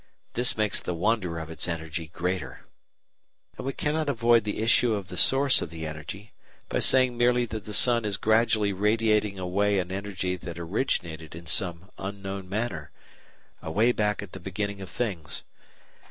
This makes the wonder of its energy greater. And we cannot avoid the issue of the source of the energy by saying merely that the sun is gradually radiating away an energy that originated in some unknown manner, away back at the beginning of things.